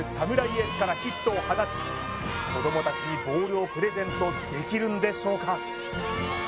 エースからヒットを放ち子供達にボールをプレゼントできるんでしょうか？